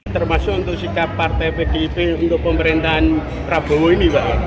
termasuk untuk sikap partai pdip untuk pemerintahan prabowo ini pak